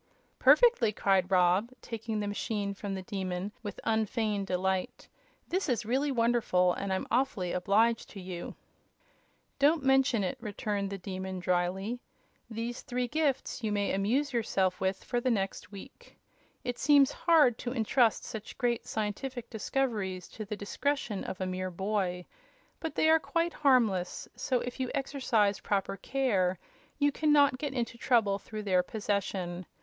"Perfectly!" cried Rob, taking the machine from the Demon with unfeigned delight. "This is really wonderful, and I'm awfully obliged to you!" "Don't mention it," returned the Demon, dryly. "These three gifts you may amuse yourself with for the next week. It seems hard to entrust such great scientific discoveries to the discretion of a mere boy; but they are quite harmless, so if you exercise proper care you can not get into trouble through their possession.